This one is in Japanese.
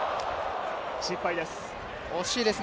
失敗です。